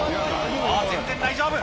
おー、全然大丈夫。